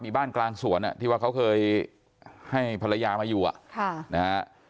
มีบ้านกลางสวนอ่ะที่ว่าเค้าเคยให้ภรรยามาอยู่อ่ะ